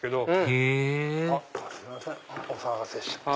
へぇすいませんお騒がせしちゃって。